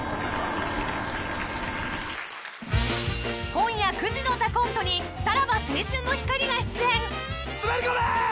［今夜９時の『ＴＨＥＣＯＮＴＥ』にさらば青春の光が出演］滑り込め！